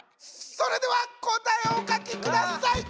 それでは答えをお書きください！